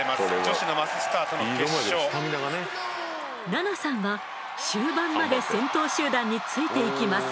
菜那さんは終盤まで先頭集団についていきます。